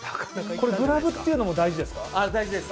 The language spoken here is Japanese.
これ、グラブっていうのも大事ですか？